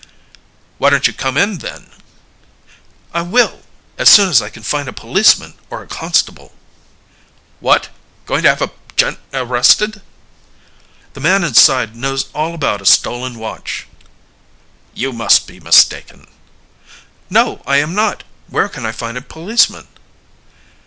"Why don't you come in, then?" "I will as soon as I can find a policeman or a constable." "What! going to have a gent arrested?" "The man inside knows all about a stolen watch." "You must be mistaken." "No, I am not. Where can I find a policeman?"